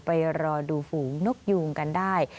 ไปรอดูฝูงนกยูงกันได้